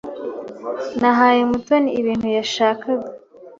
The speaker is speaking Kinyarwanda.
Nahaye Mutoni ibintu yashakaga.